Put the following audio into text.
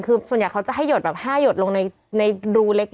คือส่วนใหญ่เขาจะให้หยดแบบ๕หยดลงในรูเล็ก